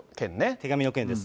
手紙の件です。